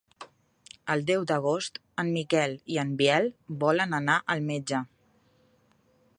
El deu d'agost en Miquel i en Biel volen anar al metge.